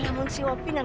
eh tasi opi bukan